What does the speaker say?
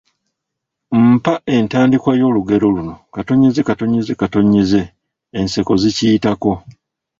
Mpa entandikwa y’olugero luno: …..…,enseko zikiyitako.